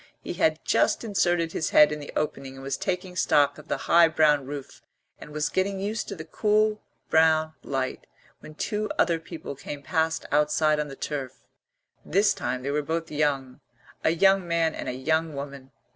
He had just inserted his head in the opening and was taking stock of the high brown roof and was getting used to the cool brown light when two other people came past outside on the turf. This time they were both young, a young man and a young woman.